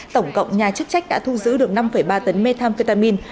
tổng cộng nhà chức trách đã thu giữ được năm ba tấn methamphetamine